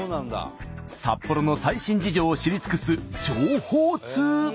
札幌の最新事情を知り尽くす情報通。